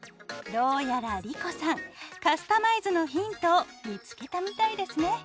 どうやら莉子さんカスタマイズのヒントを見つけたみたいですね。